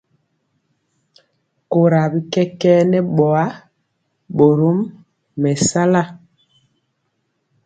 Kora bi kɛkɛɛ nɛ boa, borom mɛsala.